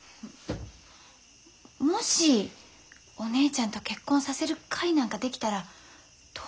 もしお姉ちゃんと結婚させる会なんか出来たらどうする？